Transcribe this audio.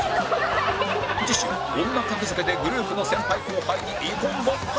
次週女格付けでグループの先輩後輩に遺恨勃発！